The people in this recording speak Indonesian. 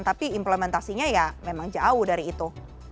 tapi implementasinya ya memang jauh dari itu